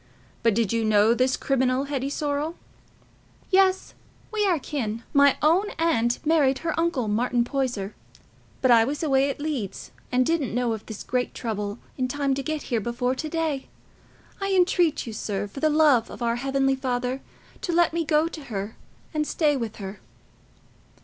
But did you know this criminal, Hetty Sorrel?" "Yes, we are kin. My own aunt married her uncle, Martin Poyser. But I was away at Leeds, and didn't know of this great trouble in time to get here before to day. I entreat you, sir, for the love of our heavenly Father, to let me go to her and stay with her."